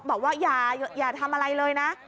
บอกว่าอย่าทำอะไรเลยนะ